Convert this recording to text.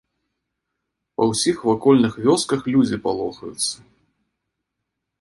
Па ўсіх вакольных вёсках людзі палохаюцца.